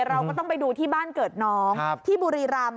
เราก็ต้องไปดูที่บ้านเกิดน้องที่บุรีรำ